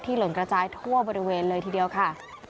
หล่นกระจายทั่วบริเวณเลยทีเดียวค่ะ